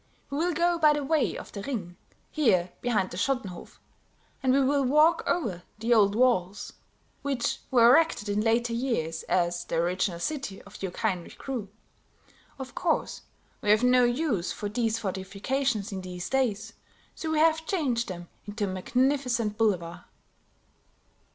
We will go by the way of the Ring, here behind the Schottenhof; and we will walk over the old walls, which were erected in later years as the original city of Duke Heinrich grew. Of course, we have no use for these fortifications in these days, so we have changed them into a magnificent boulevard."